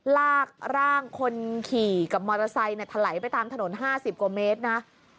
ลากร่างคนขี่กับมอเตอร์ไซค์ถลายไปตามถนน๕๐กว่าเมตรนะ